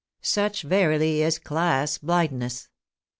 Such, verily, is class blindness!